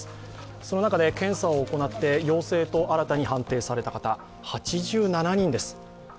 その中で検査を行って新たに陽性と判定された方、８７人です。